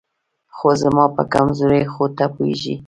خو زما په کمزورۍ خو ته پوهېږې